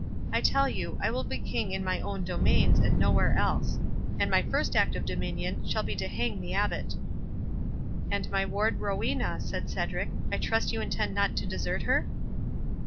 I tell you, I will be king in my own domains, and nowhere else; and my first act of dominion shall be to hang the Abbot." "And my ward Rowena," said Cedric—"I trust you intend not to desert her?"